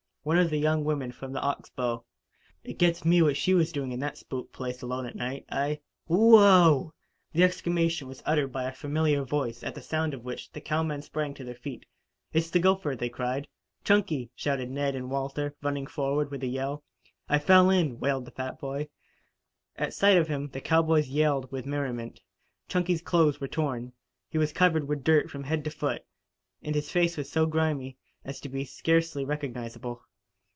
"One of the young women from the Ox Bow. It gets me what she was doing in that spook place alone at night. I " "W o w!" The exclamation was uttered by a familiar voice, at the sound of which the cowmen sprang to their feet. "It's the gopher!" they cried. "Chunky!" shouted Ned and Walter, running forward with a yell. "I fell in," wailed the fat boy. At sight of him the cowboys yelled with merriment. Chunky's clothes were torn. He was covered with dirt from head to foot, and his face was so grimy as to be scarcely recognizable.